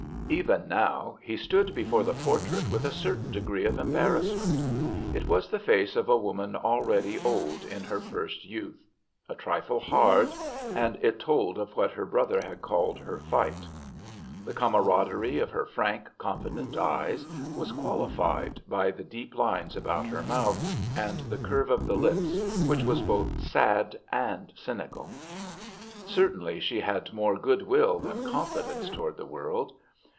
Even now, he stood before the portrait with a certain degree of embarrassment. It was the face of a woman already old in her first youth, a trifle hard, and it told of what her brother had called her fight. The camaraderie of her frank, confident eyes was qualified by the deep lines about her mouth and the curve of the lips, which was both sad and cynical. Certainly she had more good will than confidence toward the world.